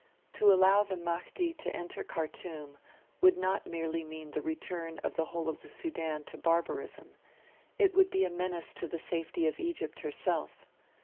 To allow the Mahdi to enter Khartoum would not merely mean the return of the whole of the Sudan to barbarism; it would be a menace to the safety of Egypt herself.